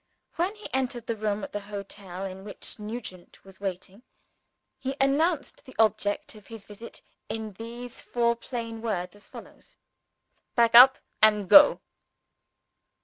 When he entered the room at the hotel in which Nugent was waiting, he announced the object of his visit in these four plain words, as follows: "Pack up, and go!"